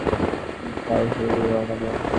তিনি সাওয়াহি’লি রওনা দেন।